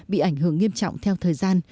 bị ảnh hưởng nghiêm trọng theo thời gian